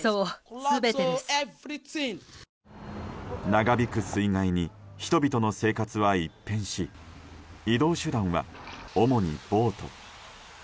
長引く水害に人々の生活は一変し移動手段は主にボート。